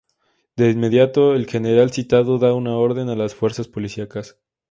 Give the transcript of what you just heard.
De inmediato el general citado da una orden a las fuerzas policíacas.